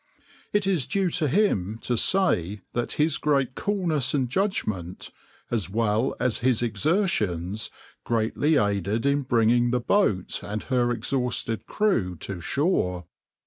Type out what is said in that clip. It is due to him to say that his great coolness and judgment, as well as his exertions, greatly aided in bringing the boat and her exhausted crew to shore.